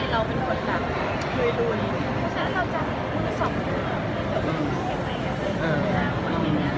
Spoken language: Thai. มีโครงการทุกทีใช่ไหม